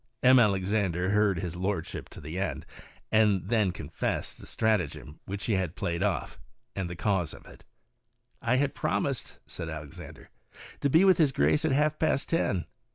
M. Alexandre heard his lordship to an end, and then confessed the stratagem which he had played off, and the cause of it. "I had promised," said Alexandre, "to be with his G race at half past ten.